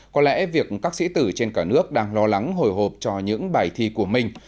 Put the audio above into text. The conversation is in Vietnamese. có lẽ việc các sĩ tử trên cả nước đang lo lắng hồi hộp cho những bài thi của mình